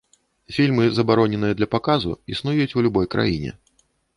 Фільмы, забароненыя для паказу, існуюць у любой краіне.